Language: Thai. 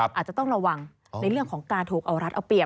อาจจะต้องระวังในเรื่องของการถูกเอารัดเอาเปรียบ